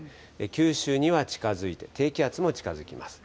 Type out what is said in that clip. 九州には近づいて、低気圧も近づきます。